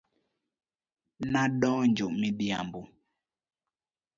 Na donjo midhiambo.